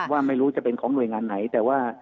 ว่าไม่รู้จะเป็นของหน่วยงานไหนแต่ว่า